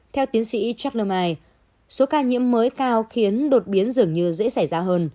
theo tiến sĩ chuck luchai số ca nhiễm mới cao khiến đột biến dường như dễ xảy ra